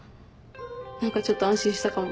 何かちょっと安心したかも。